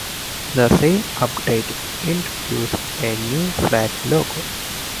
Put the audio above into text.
The same update introduced a new flat logo.